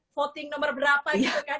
voting nomor berapa gitu kan